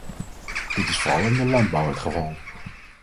Dit is vooral in de landbouw het geval.